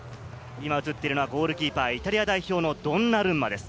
映ってるのはゴールキーパー、イタリア代表のドンナルンマです。